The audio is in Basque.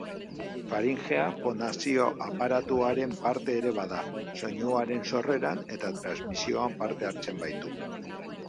Faringea fonazio-aparatuaren parte ere bada, soinuaren sorreran eta transmisioan parte hartzen baitu.